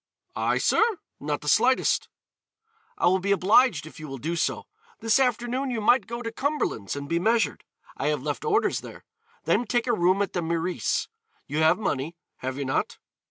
"I, sir? not the slightest." "I will be obliged if you will do so. This afternoon you might go to Cumberland's and be measured. I have left orders there. Then take a room at the Meurice; you have money, have you not?